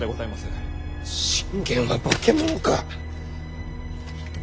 信玄は化け物か！